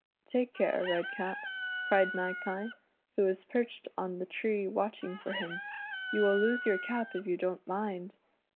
" Take care, Redcap," cried Magpie, who was perched on the tree watching for him ;" you will lose your cap if you don't mind."